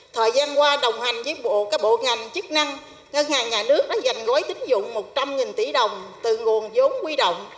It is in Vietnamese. thời gian qua đồng hành với các bộ ngành chức năng ngân hàng nhà nước đã dành gói tính dụng một trăm linh tỷ đồng từ nguồn giống quy động